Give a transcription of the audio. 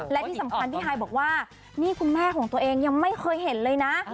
และที่สำคัญพี่ฮายบอกว่านี่คุณแม่ของตัวเองยังไม่เคยเห็นเลยนะ